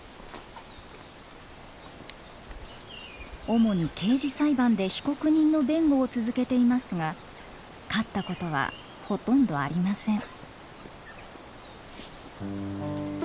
主に刑事裁判で被告人の弁護を続けていますが勝ったことはほとんどありません。